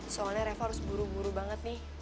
soalnya revo harus buru buru banget nih